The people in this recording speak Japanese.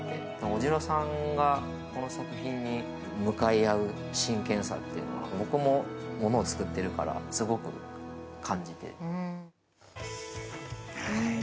オジロさんがこの作品に向かい合う真剣さというのは、僕も物を作ってるからすごく感じて。